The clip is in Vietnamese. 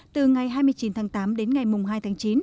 từ ngày hai mươi chín tháng tám đến ngày hai tháng chín